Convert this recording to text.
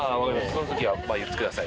その時は言ってください。